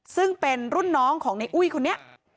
ซึ่งเป็นรุ่นน้องของในอุ้ยคนนี้